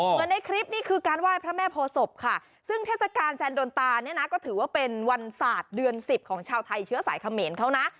ในคลิปนี้คือการไหว้พระแม่โพศพค่ะซึ่งเทศกาลแซนโดนตาเนี่ยนะก็ถือว่าเป็นวันศาสตร์เดือนสิบของชาวไทยเชื้อสายเขมรเขานะ